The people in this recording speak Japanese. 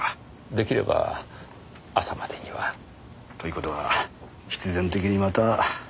できれば朝までには。という事は必然的にまた徹夜ですな。